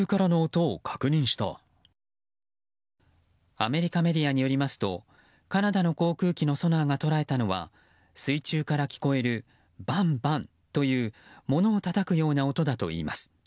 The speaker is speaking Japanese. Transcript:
アメリカメディアによりますとカナダの航空機のソナーが捉えたのは水中から聞こえるバンバンという物をたたくような音だといいます。